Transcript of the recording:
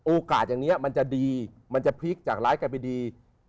อย่างนี้มันจะดีมันจะพลิกจากร้ายกันไปดี